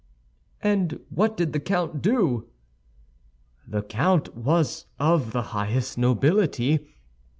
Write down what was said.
"And what did the count do?" "The count was of the highest nobility.